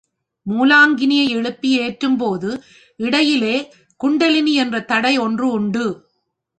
மூலாக்கினியை எழுப்பி ஏற்றும்போது இடையிலே குண்டலினி என்ற தடை ஒன்று உண்டு.